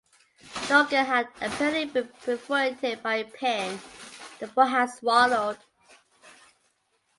The organ had apparently been perforated by a pin the boy had swallowed.